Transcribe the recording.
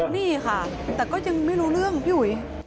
นี่ค่ะแต่ก็ยังไม่รู้เรื่องพี่อุ๋ย